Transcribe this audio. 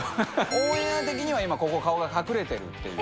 オンエア的には今ここ顔が隠れてるっていう。